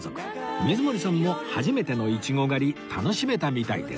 水森さんも初めてのイチゴ狩り楽しめたみたいです